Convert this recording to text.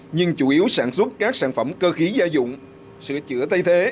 nhưng chủ yếu sản xuất các sản phẩm cơ khí gia dụng sửa chữa thay thế